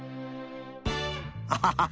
アハハハ！